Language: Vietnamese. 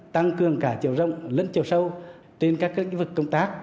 tăng cường cả chiều rộng lẫn chiều sâu trên các lĩnh vực công tác